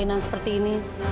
persalinan seperti ini